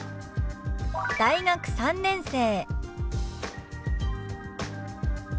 「大学３年生」。